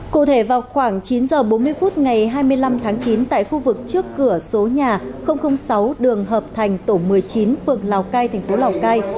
cụ thể vào khoảng chín h bốn mươi phút ngày hai mươi năm tháng chín tại khu vực trước cửa số nhà sáu đường hợp thành tổ một mươi chín phường lào cai thành phố lào cai